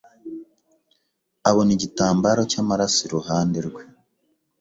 abona igitambaro cyamaraso iruhande rwe